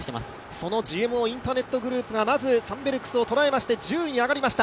そのＧＭＯインターネットグループがまずサンベルクスを捉えまして１０位に上がりました。